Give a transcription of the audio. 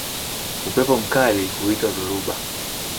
Upepo mkali huitwa dhoruba.